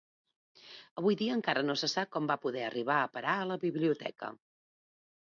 Avui dia encara no se sap com va poder arribar a parar a la biblioteca.